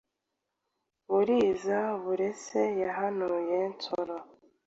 Buriza burese yahanuye Nsoro,